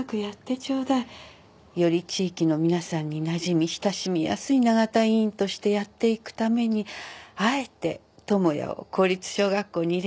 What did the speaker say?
より地域の皆さんになじみ親しみやすい永田医院としてやっていくためにあえて智也を公立小学校に入れたんですから。